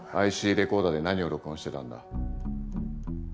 ＩＣレコーダーで何を録音してたんだ？